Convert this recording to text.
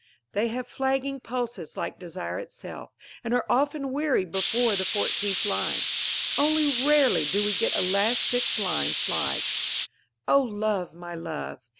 _ They have flagging pulses like desire itself, and are often weary before the fourteenth line. Only rarely do we get a last six lines like: O love, my love!